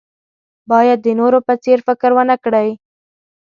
باید د نورو په څېر فکر ونه کړئ.